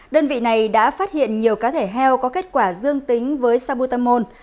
đơn vị này đã phát hiện nhiều cá thể heo có kết quả dương tính với sabutamol